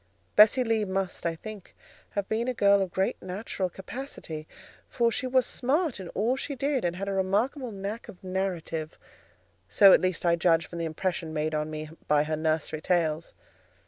Bessie Lee must, I think, have been a girl of good natural capacity, for she was smart in all she did, and had a remarkable knack of narrative; so, at least, I judge from the impression made on me by her nursery tales.